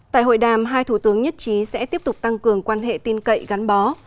tại hội đàm hai thủ tướng nhất trí sẽ tiếp tục tăng cường quan hệ tin cậy gắn bó